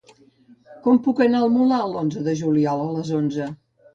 Com puc anar al Molar l'onze de juliol a les onze?